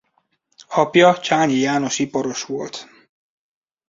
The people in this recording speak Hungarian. Apja Csányi János iparos volt.